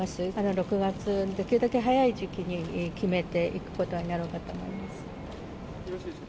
６月のできるだけ早い時期に決めていくことになろうかと思います。